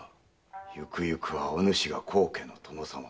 ゆくゆくはお主が高家の殿様。